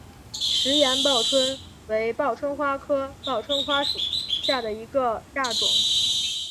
石岩报春为报春花科报春花属下的一个亚种。